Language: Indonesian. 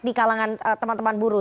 di kalangan teman teman buruh